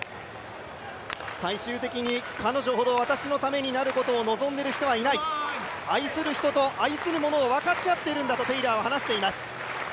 最終的に彼女ほど私のためになることを望んでいる人はいない愛する人と愛するものを分かち合っているんだとテイラーは話しています。